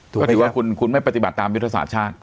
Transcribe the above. ก็ถือว่าคุณไม่ปฏิบัติตามยุทธศาสตร์ชาติ